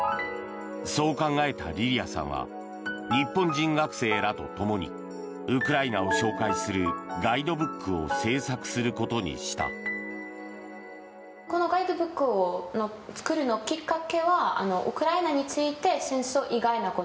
そう考えたリリアさんは日本人学生らと共にウクライナを紹介するガイドブックを制作することにしたのだ。